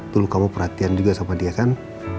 dulu kamu perhatian juga sama dia kan